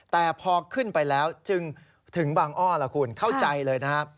แต่พอขึ้นไปแล้วจึงถึงบางอ้อล่ะคุณเข้าใจเลยนะครับ